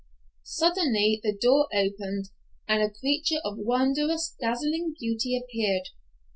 Suddenly the door opened and a creature of wondrous, dazzling beauty appeared.